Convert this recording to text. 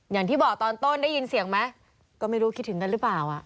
อย่างที่บอกตอนต้นได้ยินเสียงไหมก็ไม่รู้คิดถึงกันหรือเปล่า